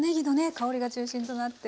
香りが中心となって。